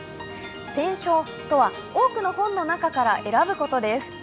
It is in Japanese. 選書とは、多くの本の中から選ぶことです。